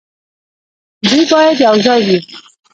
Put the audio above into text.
دوی باید یوځای وي.